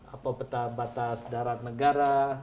apa peta batas darat negara